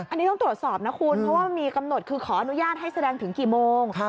อันนี้ต้องตรวจสอบนะคุณเพราะว่ามันมีกำหนดคือขออนุญาตให้แสดงถึงกี่โมง